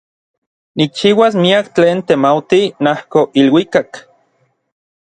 Nikchiuas miak tlen temautij najko iluikak.